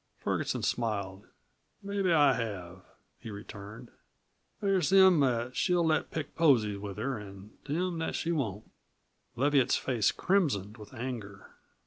Ferguson smiled. "Mebbe I have," he returned. "There's them that she'll let pick posies with her, an' them that she won't." Leviatt's face crimsoned with anger.